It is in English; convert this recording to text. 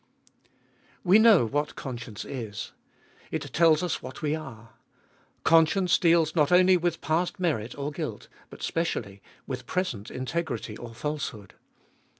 We know what conscience is. It tells us what we are. Conscience deals not only with past merit or guilt but specially with present integrity or falsehood.